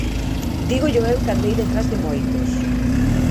Dígollo eu que andei detrás de moitos.